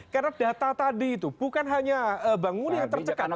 karena data tadi itu bukan hanya bang muni yang tercekat